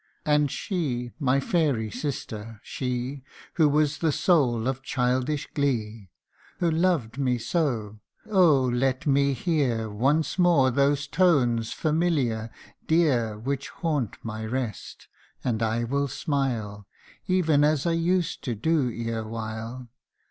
And she, my fairy sister, she, Who was the soul of childish glee ; Who loved me so oh, let me hear Once more those tones familiar, dear, Which haunt my rest ; and I will smile Even as I used to clo erewhile.